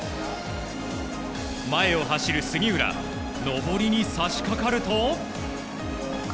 前を走る杉浦、登りにさしかかると。